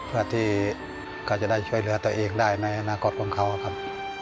เพื่อที่เขาจะได้ช่วยเหลือตัวเองได้ในอนาคตของเขาครับ